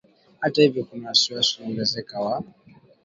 Hata hivyo kuna wasiwasi unaoongezeka wa